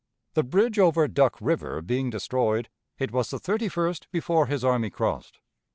The bridge over Duck River being destroyed, it was the 31st before his army crossed.